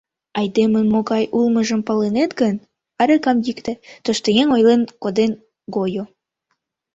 «Айдемын могай улмыжым палынет гын, аракам йӱктӧ», — тоштыеҥ ойлен коден гойо.